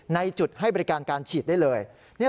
ในจุดให้บริการการฉีดได้เลย